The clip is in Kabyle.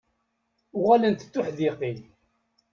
Uɣalent d tuḥdiqin.